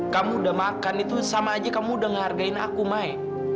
kamu udah makan itu sama aja kamu udah ngehargain aku mai